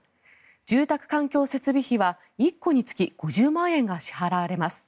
住宅環境設備費は１戸につき５０万円が支払われます。